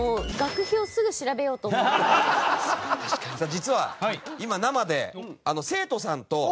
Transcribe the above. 実は今生で。